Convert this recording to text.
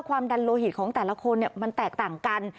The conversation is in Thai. ความดันโลหิตของแต่ละคนมันแตกต่างกัน